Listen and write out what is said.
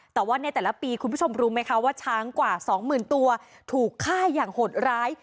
แต่ว่าในแต่ละปีคุณผู้ชมรู้ไหมคะว่าช้างกว่า๒๐๐๐ตัวถูกฆ่าอย่างหดร้าย